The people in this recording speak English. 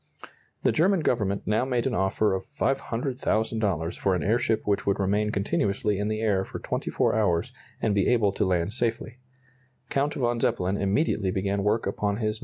] The German Government now made an offer of $500,000 for an airship which would remain continuously in the air for 24 hours, and be able to land safely. Count von Zeppelin immediately began work upon his No.